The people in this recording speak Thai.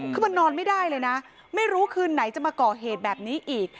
คือมันนอนไม่ได้เลยนะไม่รู้คืนไหนจะมาก่อเหตุแบบนี้อีก